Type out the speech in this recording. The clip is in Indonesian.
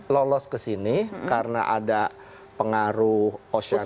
lolos ke sini karena ada pengaruh ocean